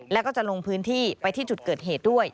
แล้วก็จะลงพื้นที่ไปที่จุดเกิดเหตุด้วย